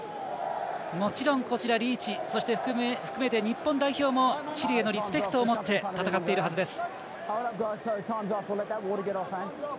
もちろん、リーチ含めて日本代表もチリへのリスペクトを持って戦っているはずです。